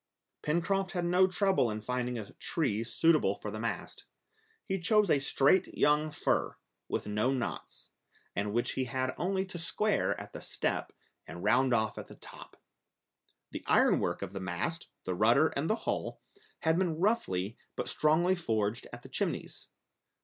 Pencroft had no trouble in finding a tree suitable for the mast. He chose a straight young fir, with no knots, and which he had only to square at the step, and round off at the top. The ironwork of the mast, the rudder and the hull, had been roughly but strongly forged at the Chimneys.